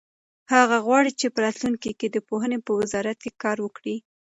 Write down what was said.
هغه غواړي چې په راتلونکي کې د پوهنې په وزارت کې کار وکړي.